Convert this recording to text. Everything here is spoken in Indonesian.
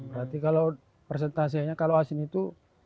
berarti kalau persentasenya kalau asin itu